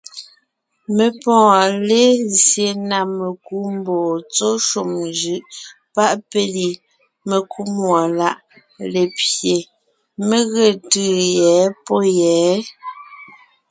Mé pɔ́ɔn lézye na mekú mbɔɔ tsɔ́ shúm njʉ́ʼ páʼ péli, mekúmúɔláʼ lépye, mé ge tʉ́ʉ yɛ̌ pɔ̌ yɛ̌.